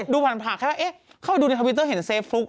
ดูผ่านผากแค่ว่าเอ๊ะเข้าไปดูในทวิตเตอร์เห็นเฟซบุ๊ค